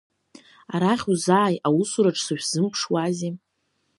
Арахь узааи, аусураҿ сышәзымԥшуази?